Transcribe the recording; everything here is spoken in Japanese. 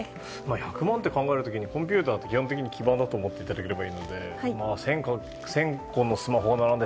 １００万と考える時にコンピューターって基本的に基板だと思っていただければいいので１０００×１０００のスマホが並んで